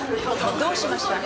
どうしました？